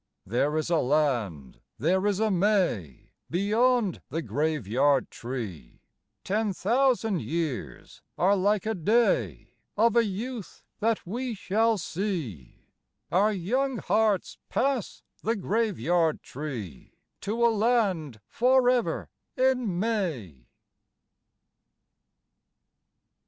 There is a land, there is a May Beyond the graveyard tree; Ten thousand years are like a day Of a youth that we shall see: Our young hearts pass the graveyard tree To a land forever in May.